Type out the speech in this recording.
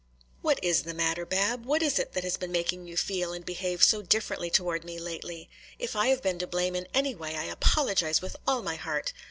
"What is the matter, Bab? What is it that has been making you feel and behave so differently toward me lately? If I have been to blame in any way I apologize with all my heart.